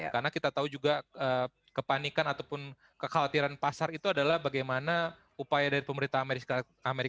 karena kita tahu juga kepanikan ataupun kekhawatiran pasar itu adalah bagaimana upaya dari pemerintah as ini untuk mempercepat recovery dari us economy